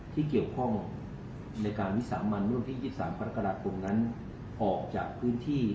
ที่เกี่ยวข้องในการวิสาธิบร้องมันร่วมที่๒๓พระราชกรรมนั้นออกจากพื้นที่